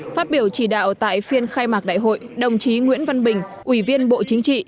phát biểu chỉ đạo tại phiên khai mạc đại hội đồng chí nguyễn văn bình ủy viên bộ chính trị